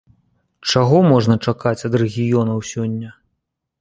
Чаго можна чакаць ад рэгіёнаў сёння?